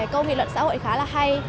câu nghị luận xã hội khá hay